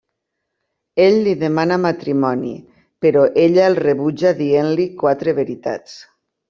Ell li demana matrimoni però ella el rebutja dient-li quatre veritats.